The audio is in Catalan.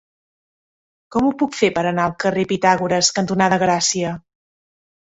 Com ho puc fer per anar al carrer Pitàgores cantonada Gràcia?